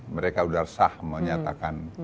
mereka udah sah menyatakan